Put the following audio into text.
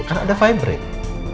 karena ada vibrate